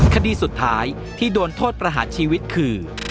คดีสุดท้ายที่โดนโทษประหารชีวิตคือ